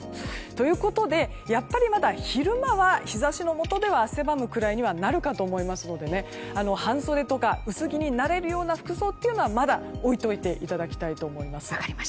ということでやっぱりまだ昼間は日差しのもとでは汗ばむくらいにはなるかと思いますので半袖とか薄着になれるような服装というのはまだ置いておいていただきたいと思います。